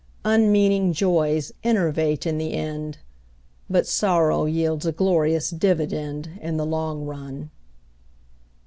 Unmeaning joys enervate in the end, But sorrow yields a glorious dividend In the long run.